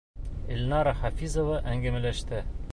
Эльнара ХАФИЗОВА әңгәмәләште.